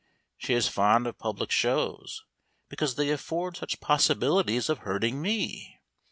She is fond of public shows, because they afford such possibilities of hurting me.